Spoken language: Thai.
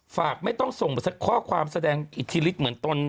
ไม่ต้องส่งข้อความแสดงอิทธิฤทธิ์เหมือนตน